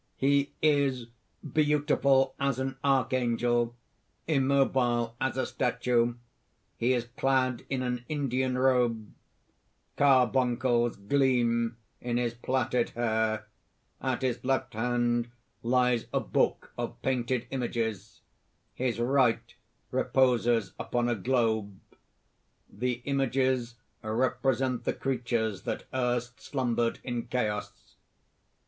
He is beautiful as an archangel, immobile as a statue; he is clad in an Indian robe; carbuncles gleam in his plaited hair; at his left hand lies a book of painted images; his right reposes upon a globe. The images represent the creatures that erst slumbered in Chaos.